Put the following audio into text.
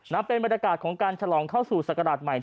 เป็นบรรยากาศของการฉลองเข้าสู่ศักราชใหม่